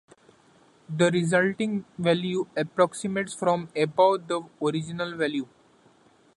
The resulting value approximates from above the original value.